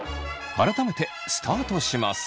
改めてスタートします。